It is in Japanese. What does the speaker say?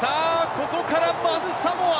ここからマヌ・サモア！